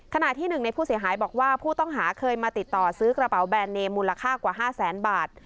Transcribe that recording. ขณะที่หนึ่งในผู้เสียหายบอกว่าผู้ต้องหาเคยมาติดต่อซื้อกระเป๋าแบรนเนมมูลค่ากว่า๕แสนบาท